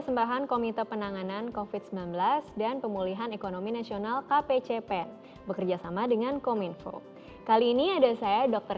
selamat datang di program dear doctor